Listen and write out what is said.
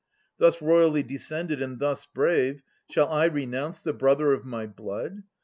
Thus royally descended and thus brave, Shall I renounce the brother of my blood.